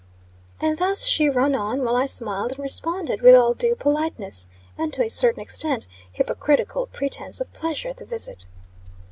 And thus she ran on, while I smiled, and responded with all due politeness, and to a certain extent, hypocritical pretence of pleasure at the visit.